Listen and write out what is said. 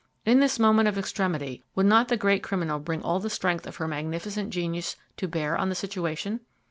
In this moment of extremity, would not the great criminal bring all the strength of her magnificent genius to bear on the situation?